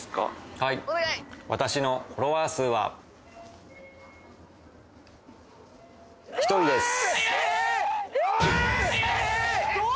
はい私のフォロワー数は１人ですええー！